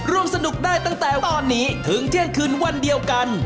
ร่วมสนุกได้ตั้งแต่ตอนนี้ถึงเที่ยงคืนวันเดียวกัน